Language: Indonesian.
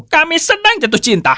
kami sedang jatuh cinta